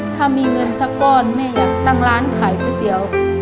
ถ้ามีเงินสักก้อนแม่อยากตั้งร้านขายก๋วยเตี๋ยว